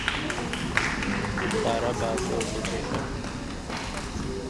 তারা বাসে উঠছে সবাই।